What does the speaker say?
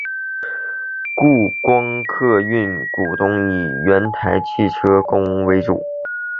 故国光客运的股东以原台汽员工为主。